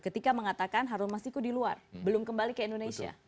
ketika mengatakan harun masiku di luar belum kembali ke indonesia